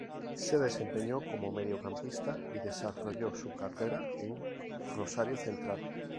Se desempeñó como mediocampista y desarrolló su carrera en Rosario Central.